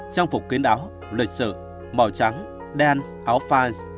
trang phục kiến áo lợi sự màu trắng đen áo pha